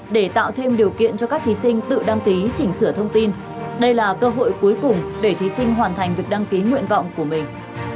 để tạo thêm điều kiện cho các thí sinh tự đăng ký chỉnh sửa thông tin đây là cơ hội cuối cùng để thí sinh hoàn thành việc đăng ký nguyện vọng của mình